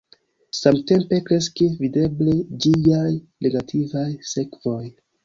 Samtempe kreskis videble ĝiaj negativaj sekvoj.